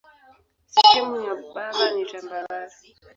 Sehemu ya bara ni tambarare.